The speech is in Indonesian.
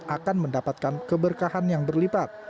akan mendapatkan keberkahan yang berlipat